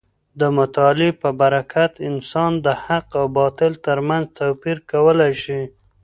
د مطالعې په برکت انسان د حق او باطل تر منځ توپیر کولی شي.